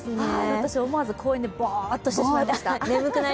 私、思わず公園でぼーっとしてしまいました。